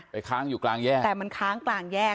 ค้างอยู่กลางแยกแต่มันค้างกลางแยก